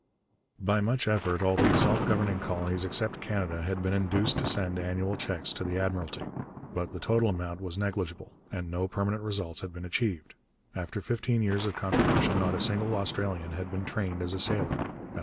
By much effort all the self governing colonies except Canada had been induced to send annual cheques to the Admiralty. But the total amount was negligible, and no permanent results had been achieved. After fifteen years of contribution not a single Australian had been trained as a sailor.